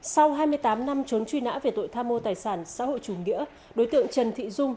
sau hai mươi tám năm trốn truy nã về tội tham mô tài sản xã hội chủ nghĩa đối tượng trần thị dung